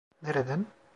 Nereden?